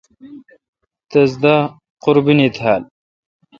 تس دا قربینی تھال۔